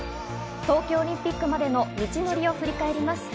東京オリンピックまでの道程を振り返ります。